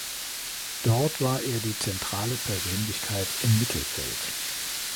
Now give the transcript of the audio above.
Dort war er die zentrale Persönlichkeit im Mittelfeld.